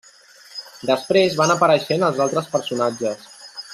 Després van apareixent els altres personatges.